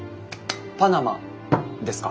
パナマですか？